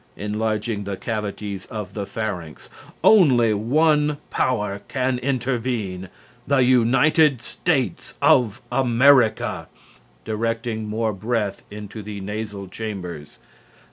(Enlarging the cavities of the pharynx.) Only one power can intervene the United States of America. (Directing more breath into the nasal chambers.)